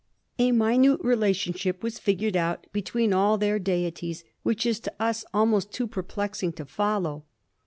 A minute relationship was figured out between all their deities which is to us almost too perplexing to follow.